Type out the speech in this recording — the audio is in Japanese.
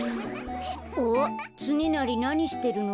あっつねなりなにしてるの？